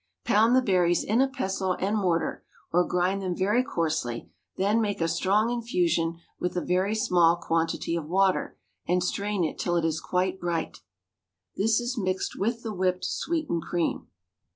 Pound the berries in a pestle and mortar, or grind them very coarsely; then make a strong infusion with a very small quantity of water, and strain it till it is quite bright. This is mixed with the whipped sweetened cream.